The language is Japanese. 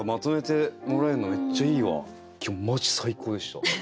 今日マジ最高でした。